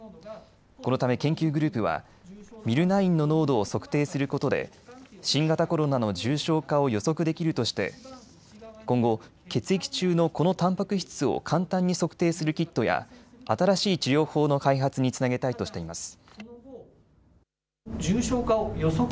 このため、研究グループはＭｙｌ９の濃度を測定することで新型コロナの重症化を予測できるとして今後、血液中のこのたんぱく質を簡単に測定するキットや新しい治療法の開発につなげたいとしています。